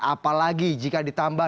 apalagi jika ditambah